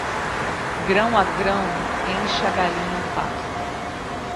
Grão a grão, enche a galinha o papo.